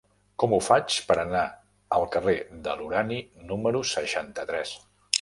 Com ho faig per anar al carrer de l'Urani número seixanta-tres?